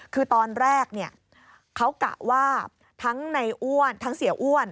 คือตอนแรกเขากะว่าทั้งเสียอ้วน